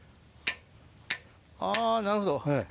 あなるほど。